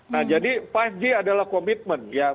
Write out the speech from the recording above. nah jadi lima g adalah komitmen ya